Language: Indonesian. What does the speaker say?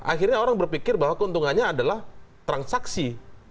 akhirnya orang berpikir bahwa keuntungannya adalah transaksi